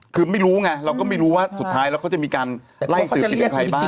คือไม่รู้ไงเราก็ไม่รู้ว่าสุดท้ายแล้วเขาจะมีการไล่สื่อผิดใครบ้าง